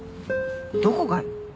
どこがよ。